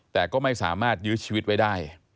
แต่ก็ไม่สามารถยื้อชีวิตไว้ได้